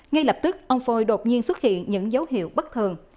ngay lập tức ông phôi đột nhiên xuất hiện những dấu hiệu bất thường